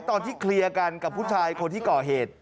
ตอนที่เคลียร์กันกับผู้ชายคนที่ก่อเหตุ